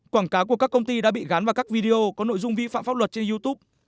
quảng cáo của các công ty đã bị gán vào các video có nội dung vi phạm pháp luật trên youtube